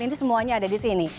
ini semuanya ada di sini